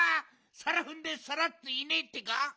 さらふんでさらっといねえってか。